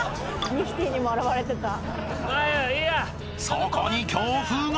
［そこに強風が！］